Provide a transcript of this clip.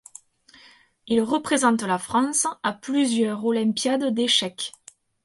Il représente la France à plusieurs olympiades d'échecs.